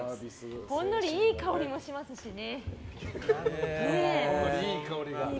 ほんのりいい香りもしますしね。